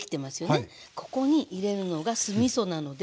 ここに入れるのが酢みそなのでお酢。